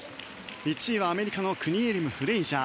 １位はアメリカのクニエリムフレイジャー。